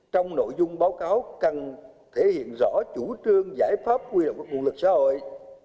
trong nội dung báo cáo cần thể hiện rõ chủ trương giải pháp quy động các nguồn lực xã hội